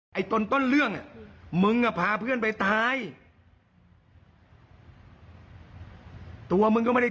พาเพื่อนมาตายกับเหตุการณ์ครั้งนี้